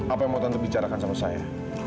apa yang mau tante bicarakan sama saya